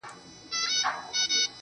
یا هغه چا ته ویل کیږي